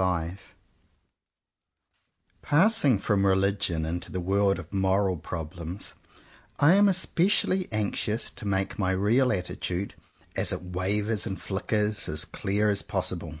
62 V PASSING from religion into the world of moral problems, I am especially anx ious to make my real attitude, as it wavers and flickers, as clear as possible.